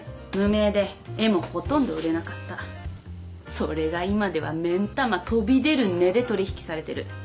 それが今では目ん玉飛び出る値で取引されてる。